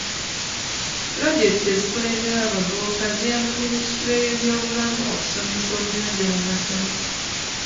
Pulojekiti ezikulemberwa abavubuka ziyambye minisitule y'ebyobulamu okusomesa obuyonjo mu masomero.